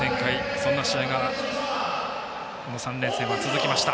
そんな試合がこの３連戦は続きました。